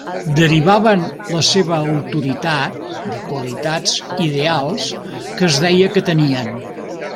Derivaven la seva autoritat de qualitats ideals que es deia que tenien.